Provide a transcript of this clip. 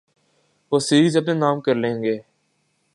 وہ سیریز اپنے نام کر لیں گے۔